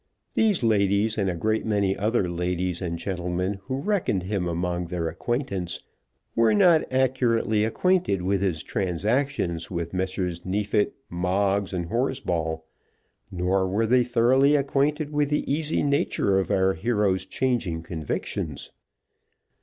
These ladies, and a great many other ladies and gentlemen who reckoned him among their acquaintance, were not accurately acquainted with his transactions with Messrs. Neefit, Moggs, and Horsball; nor were they thoroughly acquainted with the easy nature of our hero's changing convictions.